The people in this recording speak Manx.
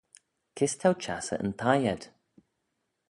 Kys t'ou çhiassey yn thie ayd?